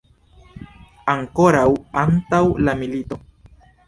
Ankoraŭ antaŭ la milito.